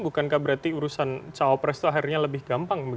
bukankah berarti urusan cawapres itu akhirnya lebih gampang